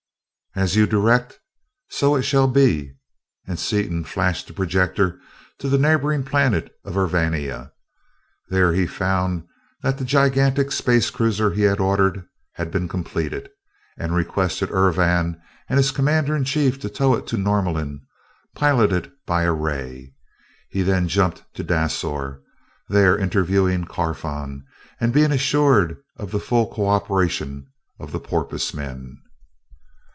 "As you direct, so it shall be," and Seaton flashed the projector to the neighboring planet of Urvania. There he found that the gigantic space cruiser he had ordered had been completed, and requested Urvan and his commander in chief to tow it to Norlamin, piloted by a ray. He then jumped to Dasor, there interviewing Carfon and being assured of the full co operation of the porpoise men.